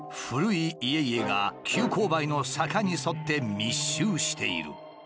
古い家々が急勾配の坂に沿って密集している。